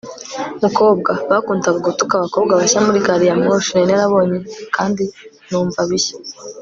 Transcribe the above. mukobwa! ', bakundaga gutuka abakobwa bashya muri gari ya moshi! nari narabonye kandi numva bishya